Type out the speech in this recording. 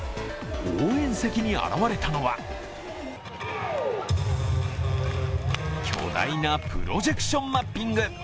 応援席に現れたのは巨大なプロジェクションマッピング。